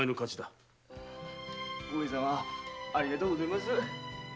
上様ありがとうごぜぇます。